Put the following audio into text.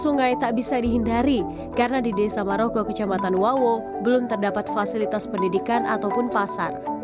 sungai tak bisa dihindari karena di desa maroko kecamatan wawo belum terdapat fasilitas pendidikan ataupun pasar